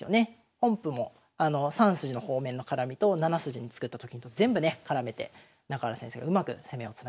本譜も３筋の方面の絡みと７筋に作ったと金と全部ね絡めて中原先生がうまく攻めをつなげましたね。